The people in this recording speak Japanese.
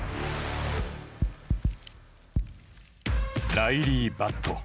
ライリー・バット。